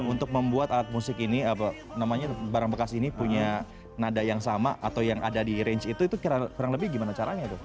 untuk membuat alat musik ini apa namanya barang bekas ini punya nada yang sama atau yang ada di range itu itu kurang lebih gimana caranya tuh